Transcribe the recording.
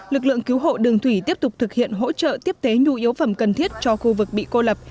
lực lượng cứu hộ đường thủy tiếp tục thực hiện hỗ trợ tiếp tế nhu yếu phẩm cần thiết cho khu vực bị cô lập